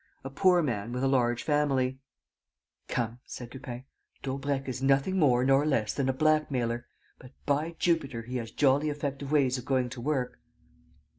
A poor man, with a large family." "Come," said Lupin, "Daubrecq is nothing more nor less than a blackmailer; but, by Jupiter, he has jolly effective ways of going to work!"